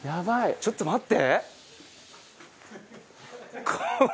ちょっと待って！